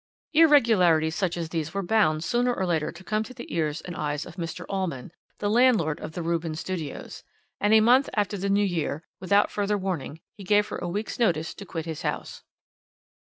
"Irregularities such as these were bound sooner or later to come to the ears and eyes of Mr. Allman, the landlord of the Rubens Studios; and a month after the New Year, without further warning, he gave her a week's notice to quit his house.